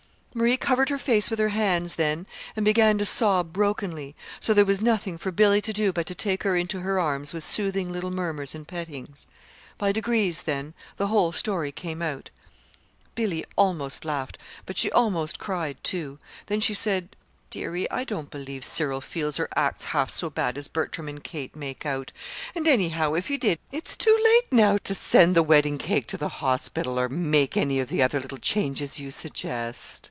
_" Marie covered her face with her hands then and began to sob brokenly; so there was nothing for Billy to do but to take her into her arms with soothing little murmurs and pettings. By degrees, then, the whole story came out. Billy almost laughed but she almost cried, too. Then she said: "Dearie, I don't believe Cyril feels or acts half so bad as Bertram and Kate make out, and, anyhow, if he did, it's too late now to to send the wedding cake to the hospital, or make any other of the little changes you suggest."